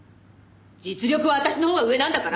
実力は私のほうが上なんだから！